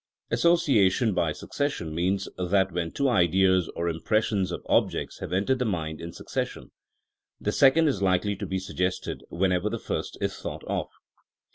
Association by succession means that when two ideas or im pressions of objects have entered the mind in succession, the second is likely to be suggested whenever the first is thought of.